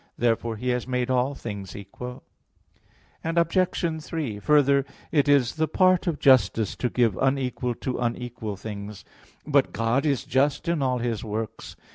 Therefore, He has made all things equal. Obj. 3: Further, it is the part of justice to give unequal to unequal things. But God is just in all His works.